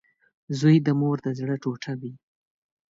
• زوی د مور د زړۀ ټوټه وي.